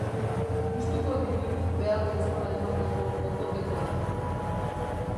Gustuko ditu behar bezala emandako kokotekoak.